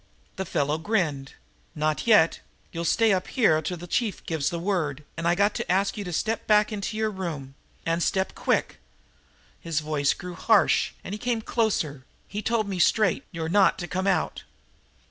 The fellow grinned. "Not yet. You'll stay up here till the chief gives the word. And I got to ask you to step back into your room, and step quick." His voice grew harsh, and he came closer. "He told me straight, you're not to come out."